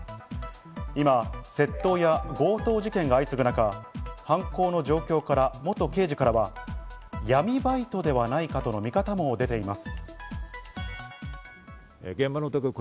今、窃盗や強盗事件が相次ぐ中、犯行の状況から元刑事からは闇バイトではないかとの見方も出ています。